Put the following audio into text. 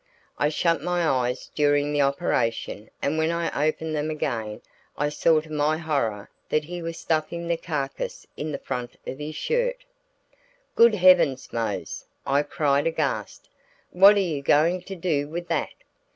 I shut my eyes during the operation and when I opened them again I saw to my horror that he was stuffing the carcass in the front of his shirt. "Good heavens, Mose!" I cried, aghast. "What are you going to do with that?"